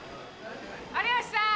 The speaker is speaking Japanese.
有吉さん！